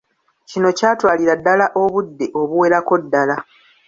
Kino kyatwalira ddala obudde obuwererako ddala.